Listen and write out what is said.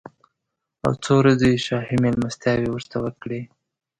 او څو ورځې یې شاهي مېلمستیاوې ورته وکړې.